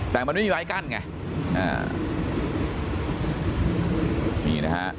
แต่มันไม่มีไม้กั้นไง